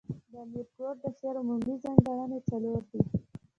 د امیر کروړ د شعر عمومي ځانګړني، څلور دي.